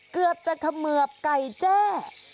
เกือบจะเขมือบไก่แจ้